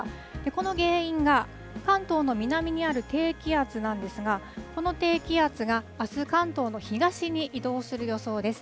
この原因が、関東の南にある低気圧なんですが、この低気圧があす、関東の東に移動する予想です。